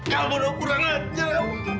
kamu udah kurang aja ya bokap